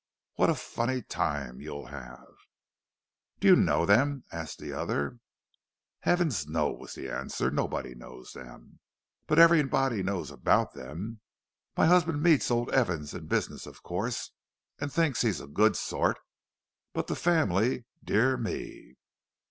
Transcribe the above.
What a funny time you'll have!" "Do you know them?" asked the other. "Heavens, no!" was the answer. "Nobody knows them; but everybody knows about them. My husband meets old Evans in business, of course, and thinks he's a good sort. But the family—dear me!"